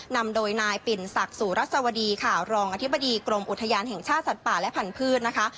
นำโดยนายปิ่นศักดิ์สุรัสวดีค่ะรองอธิบดีกรมอุทยานแห่งชาติสัตว์ป่าและพันธุ์นะคะ